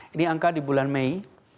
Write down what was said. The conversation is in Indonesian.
ini angka di bulan mei